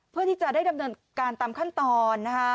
เพื่อที่จะได้ดำเนินการตามขั้นตอนนะคะ